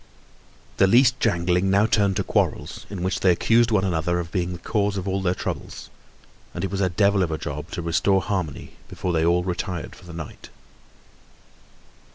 The least jangling now turned to quarrels, in which they accused one another of being the cause of all their troubles, and it was a devil of a job to restore harmony before they all retired for the night.